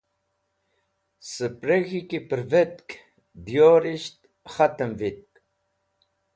Spreg̃hi ki pẽrvẽtk diyorisht khatẽm vit.